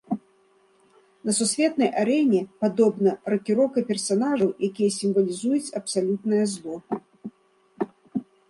На сусветнай арэне, падобна, ракіроўка персанажаў, якія сімвалізуюць абсалютнае зло.